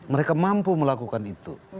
mereka mampu melakukan itu